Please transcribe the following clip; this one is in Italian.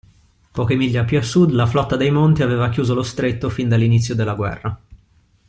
Poche miglia più a sud la flotta dei Monti aveva chiuso lo stretto fin dall'inizio della guerra.